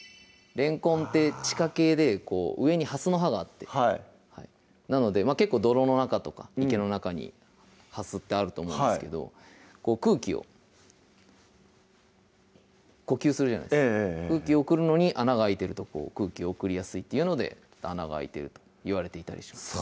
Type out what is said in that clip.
れんこんって地下茎で上にはすの葉があってなので結構泥の中とか池の中にはすってあると思うんですけどこう空気を呼吸するじゃないですか空気送るのに穴が開いてると空気送りやすいっていうので穴が開いてるといわれていたりします